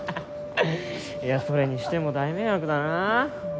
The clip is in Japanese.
いやそれにしても大迷惑だな。